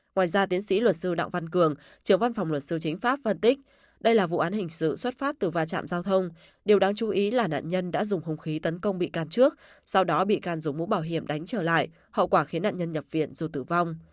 ngoài ra tiến sĩ luật sư đặng văn cường trưởng văn phòng luật sư chính pháp phân tích đây là vụ án hình sự xuất phát từ va chạm giao thông điều đáng chú ý là nạn nhân đã dùng hung khí tấn công bị can trước sau đó bị can dùng mũ bảo hiểm đánh trở lại hậu quả khiến nạn nhân nhập viện rồi tử vong